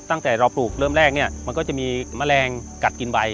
ตั้งแต่เราปลูกเริ่มแรกเนี่ยมันก็จะมีแมลงกัดกินใบ